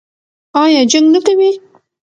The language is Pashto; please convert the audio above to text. ایا جنګ نه کوي؟